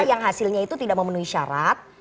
yang hasilnya itu tidak memenuhi syarat